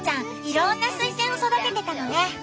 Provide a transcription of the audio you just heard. いろんなスイセンを育ててたのね！